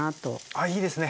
あいいですね。